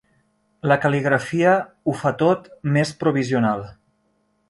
La cal·ligrafia ho fa tot més provisional.